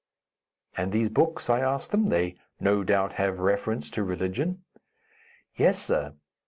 "And those books?" I asked them; "they, no doubt, have reference to religion." "Yes, sir.